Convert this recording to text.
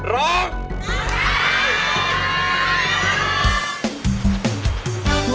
ร้อง